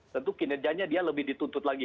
tentu kinerjanya dia lebih dituntut lagi